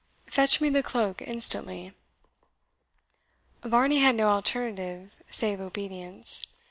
Fetch me the cloak instantly." Varney had no alternative save obedience.